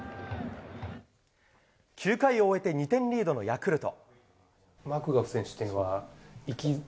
９回を終えて２点リードのヤクルト。